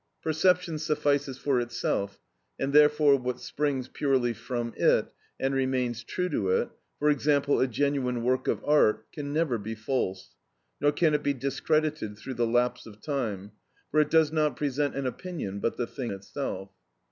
Perception suffices for itself, and therefore what springs purely from it, and remains true to it, for example, a genuine work of art, can never be false, nor can it be discredited through the lapse of time, for it does not present an opinion but the thing itself.